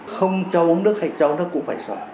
không cho uống nước hay cho uống nước cũng phải xoa